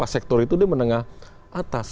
sektor itu menengah atas